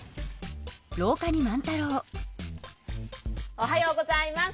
おはようございます。